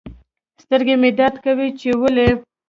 سترګي مي درد کوي چي ولي